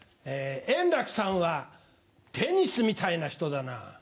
円楽さんはテニスみたいな人だなぁ。